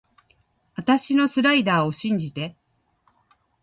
あたしのスライダーを信じて